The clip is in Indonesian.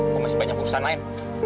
kok masih banyak urusan lain